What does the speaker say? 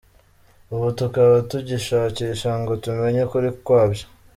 Ubu tukaba tugishakisha ngo tumenye ukuri kwabyo.”